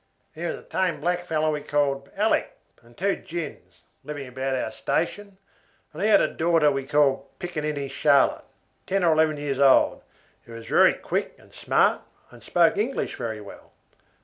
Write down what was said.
"There was a tame blackfellow we called Alick, and two gins, living about our station, and he had a daughter we called picaninny Charlotte, ten or eleven years old, who was very quick and smart, and spoke English very well.